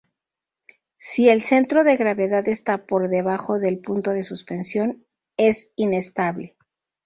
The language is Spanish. Si el centro de gravedad está por debajo del punto de suspensión, es inestable.